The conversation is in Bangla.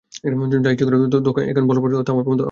যা ইচ্ছে কর এখানে তোকে কিছু বলার মত অথবা থামানোর মত কেউ নেই।